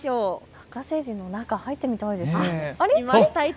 ラッカ星人の中、入ってみたいですね。